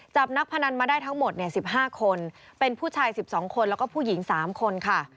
นักพนันมาได้ทั้งหมด๑๕คนเป็นผู้ชาย๑๒คนแล้วก็ผู้หญิง๓คนค่ะ